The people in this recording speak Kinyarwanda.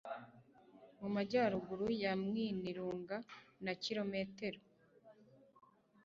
mumajyaruguru ya mwinilunga na kilometero